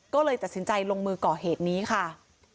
ก็เลยตัดสินใจลงมือก่อเหตุนี้ค่ะ